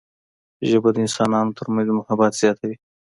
ژبه د انسانانو ترمنځ محبت زیاتوي